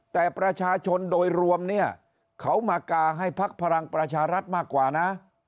แต่ประชาชนโดยรวมเนี่ยเขามากาให้พักพลังประชารัฐมากกว่านะ